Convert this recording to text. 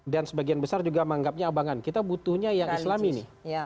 dan sebagian besar juga menganggapnya abangan kita butuhnya yang islami nih